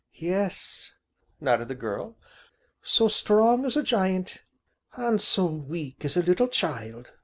"Yes," nodded the girl, "so strong as a giant, an' so weak as a little child!"